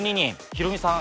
ヒロミさん